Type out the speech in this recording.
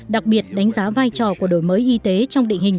đặc biệt đánh giá vai trò của đổi mới y tế trong định hình